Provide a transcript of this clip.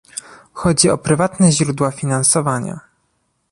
Chodzi o prywatne źródła finansowania